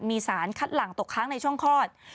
มีสารคัดหลังตกค้างในช่องคลอด